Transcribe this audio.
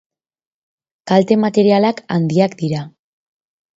Kalte materialak handiak dira.